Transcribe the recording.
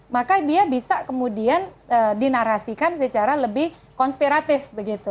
maka dia bisa kemudian dinarasikan secara lebih konspiratif begitu